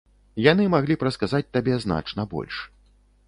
Яны маглі б расказаць табе значна больш.